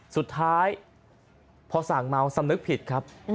สุดท้ายพอสั่งเมาสำนึกผิดครับ